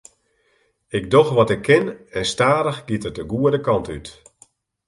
Ik doch wat ik kin en stadich giet it de goede kant út.